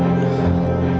ndra kamu udah nangis